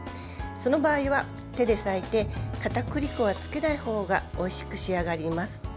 その場合は、手で裂いてかたくり粉はつけないほうがおいしく仕上がります。